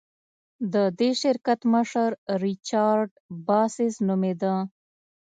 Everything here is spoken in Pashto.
د دې شرکت مشر ریچارډ باسس نومېده.